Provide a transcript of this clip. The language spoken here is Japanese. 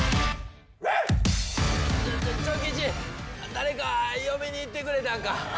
誰か呼びに行ってくれたんか。